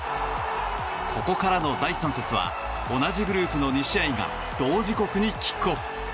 ここからの第３節は同じグループの２試合が同時刻にキックオフ。